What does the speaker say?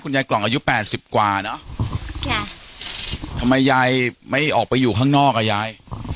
ยายกล่องอายุแปดสิบกว่าเนอะค่ะทำไมยายไม่ออกไปอยู่ข้างนอกอ่ะยาย